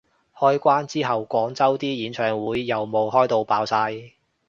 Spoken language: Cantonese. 開關之後廣州啲演唱會有冇開到爆晒